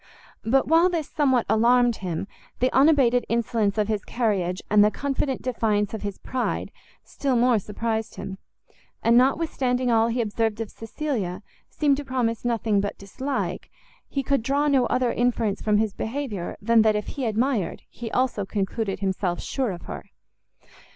But while this somewhat alarmed him, the unabated insolence of his carriage, and the confident defiance of his pride, still more surprized him; and notwithstanding all he observed of Cecilia, seemed to promise nothing but dislike; he could draw no other inference from his behaviour, than that if he admired, he also concluded himself sure of her.